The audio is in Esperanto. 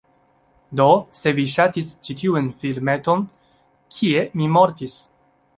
Do, se vi ŝatis ĉi tiun filmeton kie mi mortis